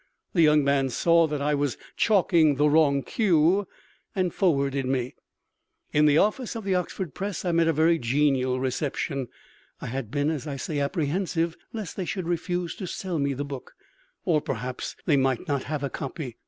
The young man saw that I was chalking the wrong cue, and forwarded me. In the office of the Oxford Press I met a very genial reception. I had been, as I say, apprehensive lest they should refuse to sell me the book; or perhaps they might not have a copy.